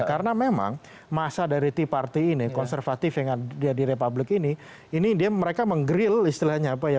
karena memang masa dari t party ini konservatif yang ada di republik ini ini dia mereka menggrill istilahnya apa ya